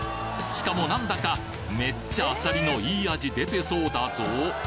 しかも何だかめっちゃあさりのいい味出てそうだぞ！